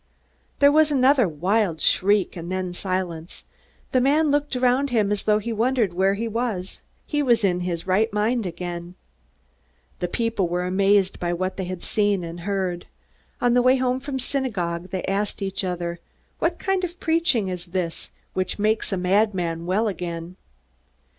There was another wild shriek and then silence. The man looked around him as though he wondered where he was. He was in his right mind again. The people were amazed by what they had seen and heard. On the way home from the synagogue they asked each other, "What kind of preaching is this, which makes a madman well again?"